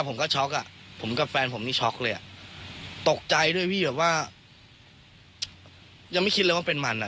ผมก็ช็อกอ่ะผมกับแฟนผมนี่ช็อกเลยอ่ะตกใจด้วยพี่แบบว่ายังไม่คิดเลยว่าเป็นมันอ่ะ